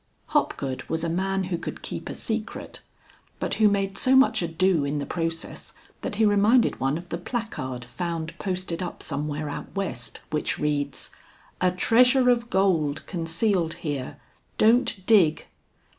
Hopgood was a man who could keep a secret, but who made so much ado in the process that he reminded one of the placard found posted up somewhere out west which reads, "A treasure of gold concealed here; don't dig!"